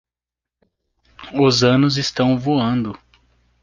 Os anos estão voando.